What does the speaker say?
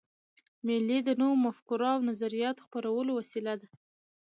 مېلې د نوو مفکورو او نظریاتو خپرولو وسیله ده.